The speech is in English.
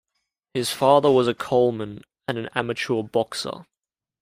His father was a coalman and an amateur boxer.